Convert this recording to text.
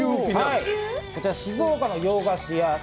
こちら静岡の洋菓子屋